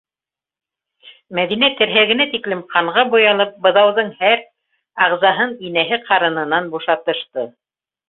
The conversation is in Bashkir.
Мәҙинә, терһәгенә тиклем ҡанға буялып, быҙауҙың һәр ағзаһын инәһе ҡарынынан бушатышты.